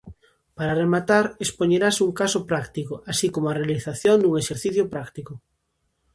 Para rematar expoñerase un caso práctico así como a realización dun exercicio práctico.